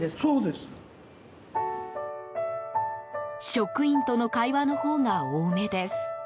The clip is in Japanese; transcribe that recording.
職員との会話のほうが多めです。